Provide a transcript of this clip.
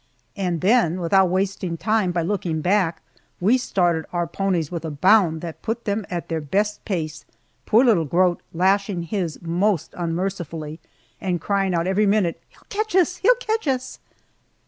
And then, without wasting time by looking back, we started our ponies with a bound that put them at their best pace, poor little Grote lashing his most unmercifully, and crying every minute, "He'll catch us! He'll catch us!"